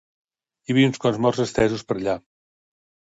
Hi havia uns quants morts estesos per allà